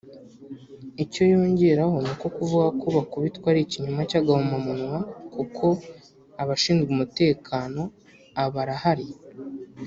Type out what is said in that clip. Icyo yongeraho ni uko kuvuga ko baakubitwa ari ikinyoma cy’agahomamunwa kuko abashinzwe umutekano abarahari